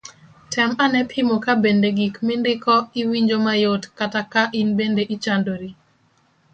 tem ane pima ka bende gik mindiko iwinjo mayot kata ka in bende ichandori